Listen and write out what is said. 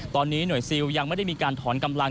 ตอนนี้หน่วยซิลยังไม่ได้มีการถอนกำลัง